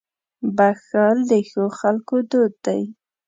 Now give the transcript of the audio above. • بښل د ښو خلکو دود دی.